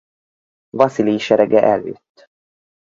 Vaszilij serege előtt.